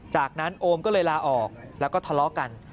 จากนั้นโอมก็เลยลาออกแล้วก็ทะเลาะกัน